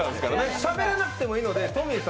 しゃべらなくてもいいのでトミーズさん